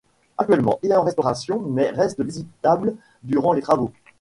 Actuellement, il est en restauration mais reste visitable durant les travaux.